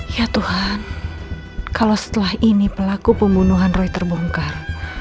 ya tuhan kalau setelah ini pelaku pembunuhan roy terbongkar